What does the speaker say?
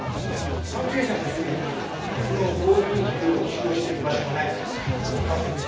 関係者の周辺にこの防水塗料を使用してる場所がないかあたってみよう。